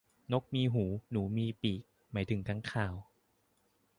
นกมีหูหนูมีปีก หมายถึงค้างคาว